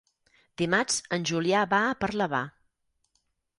Dimarts en Julià va a Parlavà.